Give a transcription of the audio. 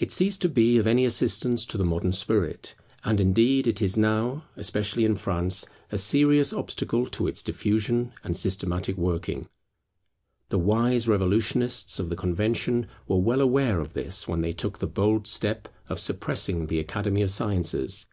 It ceased to be of any assistance to the modern spirit; and indeed it is now, especially in France, a serious obstacle to its diffusion and systematic working. The wise revolutionists of the Convention were well aware of this when they took the bold step of suppressing the Academy of Sciences.